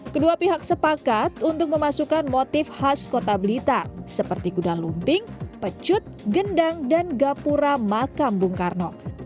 kedua pihak sepakat untuk memasukkan motif khas kota blitar seperti kuda lumping pecut gendang dan gapura makam bung karno